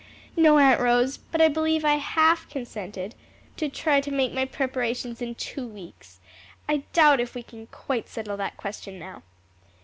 "No," Aunt Rose, "but I believe I half consented to try to make my preparations in two weeks. I doubt if we can quite settle that question now."